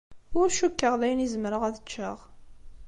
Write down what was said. Ur cukkeɣ d ayen i zemreɣ ad ččeɣ.